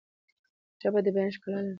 ژبه د بیان ښکلا لري.